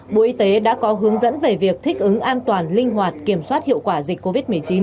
bộ y tế đã có hướng dẫn về việc thích ứng an toàn linh hoạt kiểm soát hiệu quả dịch covid một mươi chín